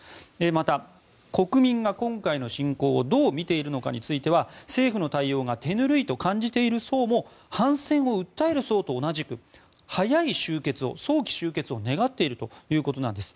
また、国民が今回の侵攻をどう見ているかについては政府の対応が手ぬるいと感じている層も反戦を訴える層と同じく早い終結、早期終結を願っているということなんです。